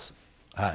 はい。